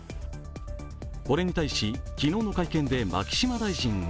これに対し昨日の会見で牧島大臣は